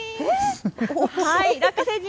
ラッカ星人。